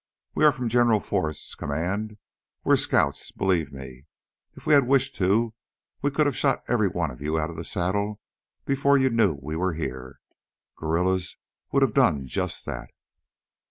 We are from General Forrest's command. We're scouts. Believe me, if we had wished to, we could have shot every one of you out of the saddle before you knew we were here. Guerrillas would have done just that."